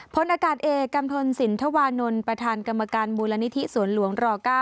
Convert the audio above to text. พลอากาศเอกกัมพลสินธวานนท์ประธานกรรมการมูลนิธิสวนหลวงร๙